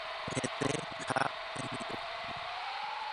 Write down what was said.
Hete ha hembi'u.